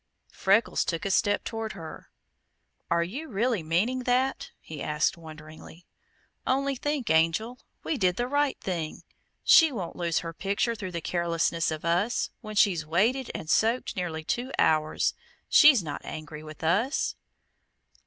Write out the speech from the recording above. Freckles took a step toward her. "Are you really meaning that?" he asked wonderingly. "Only think, Angel, we did the right thing! She won't lose her picture through the carelessness of us, when she's waited and soaked nearly two hours. She's not angry with us!"